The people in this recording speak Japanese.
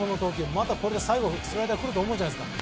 また、最後スライダーが来ると思うじゃないですか。